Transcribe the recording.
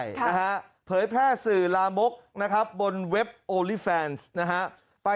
นะฮะเผยแพร่สื่อลามกนะครับบนเว็บโอลิแฟนซ์นะฮะ